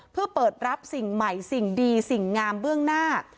เพื่อเปิดรับสิ่งใหม่สิ่งดีสิ่งงามเบื้องหน้า